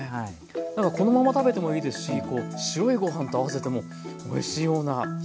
なんかこのまま食べてもいいですし白いご飯と合わせてもおいしいような１品ですね。